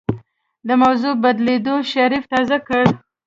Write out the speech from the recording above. د موضوع بدلېدو شريف تازه کړ.